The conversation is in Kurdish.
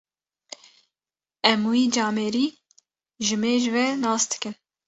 Em wî camêrî ji mêj ve nasdikin.